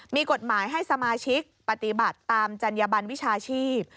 มีกฎหมายให้สมาชิกปฏิบัติตามจัญญบันวิชาชีพ